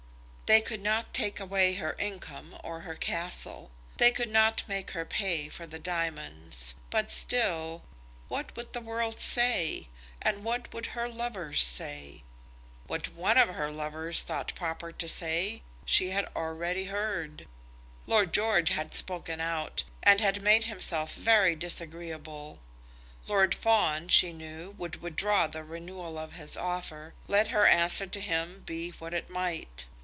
They could not take away her income or her castle. They could not make her pay for the diamonds. But still, what would the world say? And what would her lovers say? What one of her lovers thought proper to say, she had already heard. Lord George had spoken out, and had made himself very disagreeable. Lord Fawn, she knew, would withdraw the renewal of his offer, let her answer to him be what it might.